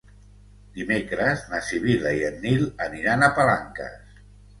Dimecres na Sibil·la i en Nil aniran a Palanques.